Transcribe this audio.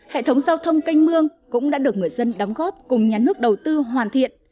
hệ thống giao thông canh mương cũng đã được người dân đóng góp cùng nhà nước đầu tư hoàn thiện